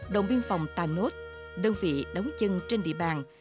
đồng biên phòng tanos đơn vị đóng chân trên địa bàn